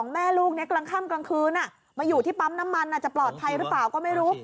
แม่ลูกนี้กลางค่ำกลางคืนมาอยู่ที่ปั๊มน้ำมันจะปลอดภัยหรือเปล่าก็ไม่รู้